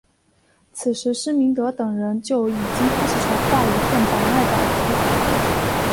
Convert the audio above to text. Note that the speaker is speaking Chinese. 此时施明德等人就已经开始筹划一份党外杂志。